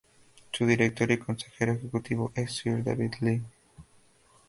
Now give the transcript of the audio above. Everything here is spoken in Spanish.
Su director y consejero ejecutivo es Sir David Li.